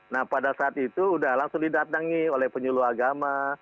nah pada saat itu sudah langsung didatangi oleh penyuluh agama